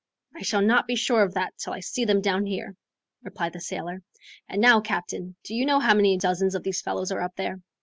"I shall not be sure of that till I see them down here," replied the sailor. "And now, captain, do you know how many dozens of these fellows are up there?"